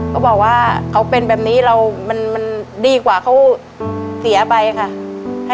เขาบอกว่าเขาเป็นแบบนี้เรามันดีกว่าเขาเสียไปค่ะ